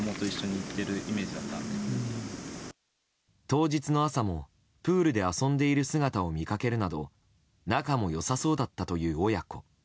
当日の朝もプールで遊んでいる姿を見かけるなど仲も良さそうだったという親子。